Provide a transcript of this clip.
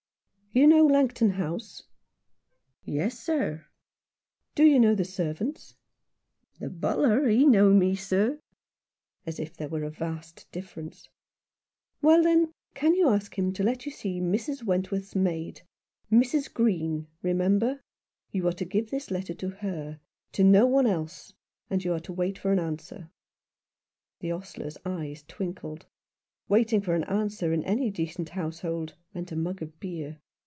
" You know Langton House ?" "Yes, sir." " Do you know the servants ?"" The butler, he know me, sir "— as if there were a vast difference. "Well, then, you can ask him to let you see Mrs. Wentworth's maid — Mrs. Green — remember. You are to give this letter to her — to no one else — and you are to wait for an answer." The ostler's eye twinkled. Waiting for an answer in any decent household meant a mug of beer.